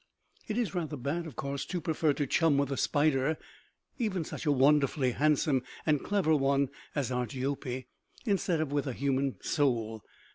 It is rather bad, of course, to prefer to chum with a spider, even such a wonderfully handsome and clever one as Argiope, instead of with a human soul.